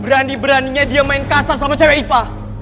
berani beraninya dia main kasar sama cewek ipa